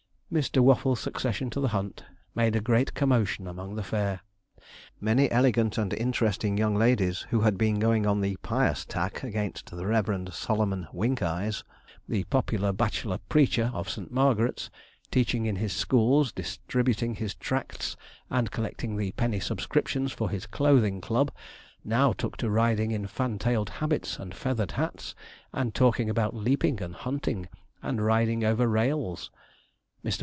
Mr. Waffles' succession to the hunt made a great commotion among the fair many elegant and interesting young ladies, who had been going on the pious tack against the Reverend Solomon Winkeyes, the popular bachelor preacher of St. Margaret's, teaching in his schools, distributing his tracts, and collecting the penny subscriptions for his clothing club, now took to riding in fan tailed habits and feathered hats, and talking about leaping and hunting, and riding over rails. Mr.